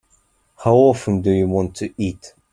How often do you want to eat?